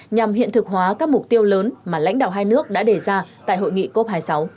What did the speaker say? nhằm hiện thực hóa các mục tiêu lớn mà lãnh đạo hai nước đã đề ra tại hội nghị cop hai mươi sáu